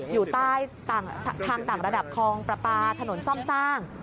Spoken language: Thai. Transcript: อยู่ใต้ทางต่างระดับคลองประปาถนนซ่อมสร้าง